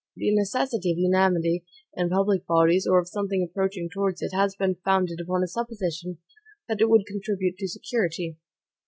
The necessity of unanimity in public bodies, or of something approaching towards it, has been founded upon a supposition that it would contribute to security.